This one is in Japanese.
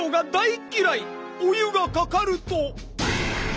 お湯がかかると。